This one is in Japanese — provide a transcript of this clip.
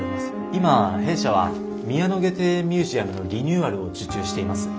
今弊社は宮野花庭園ミュージアムのリニューアルを受注しています。